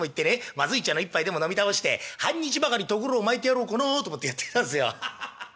まずい茶の一杯でも飲み倒して半日ばかりとぐろを巻いてやろうかなと思ってやって来たんすよハハハハ」。